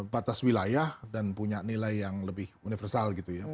batas wilayah dan punya nilai yang lebih universal gitu ya